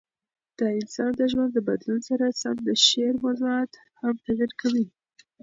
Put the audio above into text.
د انسان د ژوند د بدلون سره سم د شعر موضوعات هم تغیر کوي.